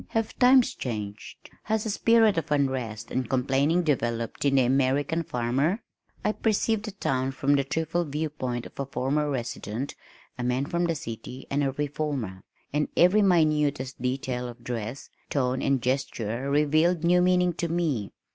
"Have times changed? Has a spirit of unrest and complaining developed in the American farmer?" I perceived the town from the triple viewpoint of a former resident, a man from the city, and a reformer, and every minutest detail of dress, tone and gesture revealed new meaning to me.